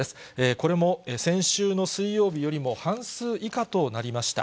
これも先週の水曜日よりも半数以下となりました。